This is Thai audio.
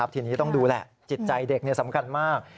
ทีนี้ต้องดูแหละจิตใจเด็กสำคัญมาก